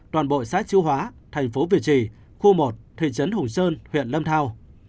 toàn bộ xác chú hóa thành phố việt trì khu một thị trấn hùng sơn huyện lâm thao